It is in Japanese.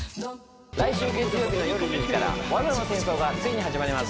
来週月曜日の夜１０時から「罠の戦争」がついに始まります。